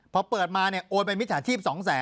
พอเปิดมาเนี่ยโอนไปมิจฉาชีพ๒๐๐๐